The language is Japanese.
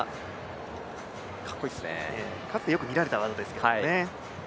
かつてよく見られた技ですけどね。